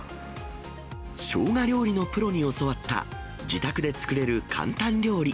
しょうが料理のプロに教わった、自宅で作れる簡単料理。